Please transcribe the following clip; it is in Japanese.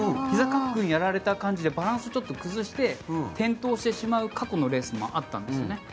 ひざかっくんやられた感じでバランスを崩して転倒してしまう過去のレースもあったんですね。